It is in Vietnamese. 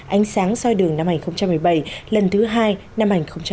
ánh sáng soi đường năm hai nghìn một mươi bảy lần thứ hai năm hai nghìn một mươi chín